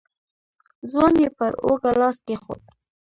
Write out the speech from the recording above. ځوان يې پر اوږه لاس کېښود.